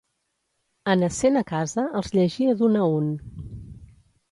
En essent a casa els llegia d'un a un.